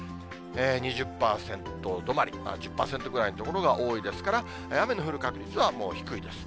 ２０％止まり、１０％ぐらいの所が多いですから、雨の降る確率はもう低いです。